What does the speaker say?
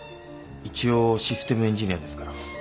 一応システムエンジニアですから。